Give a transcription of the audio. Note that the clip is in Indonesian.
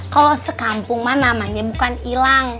kalau sekampung mah namanya bukan hilang